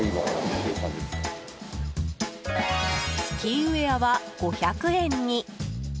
スキーウェアは５００円に。